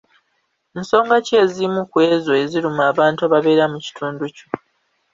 Nsonga ki ezimu ku ezo eziruma abantu ababeera mu kitundu kyo?